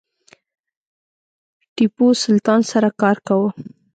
ټیپو سلطان سره کار کاوه.